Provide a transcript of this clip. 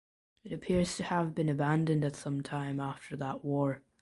It appears to have been abandoned at some time after that war.